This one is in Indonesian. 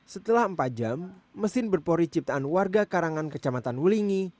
setelah empat jam mesin berpori ciptaan warga karangan kecamatan wulingi